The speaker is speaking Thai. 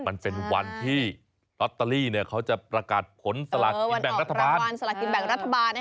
มันเป็นวันที่ล็อตเตอรี่จะประกาศผลสลากกินแบ่งรัฐบาล